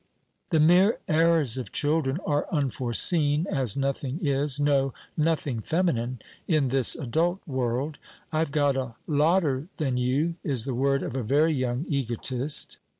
The mere errors of children are unforeseen as nothing is no, nothing feminine in this adult world. "I've got a lotter than you," is the word of a very young egotist.